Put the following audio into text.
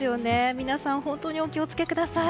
皆さん本当にお気を付けください。